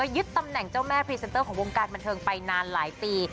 ยึดตำแหน่งเจ้าแม่พรีเซนเตอร์ของวงการบันเทิงไปนานหลายปี